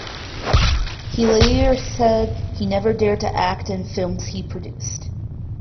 He later said he never dared to act in films he produced.